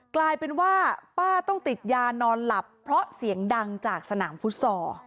กลายเป็นว่าป้าต้องติดยานอนหลับเพราะเสียงดังจากสนามฟุตซอล